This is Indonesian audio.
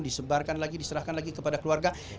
disebarkan lagi diserahkan lagi kepada keluarga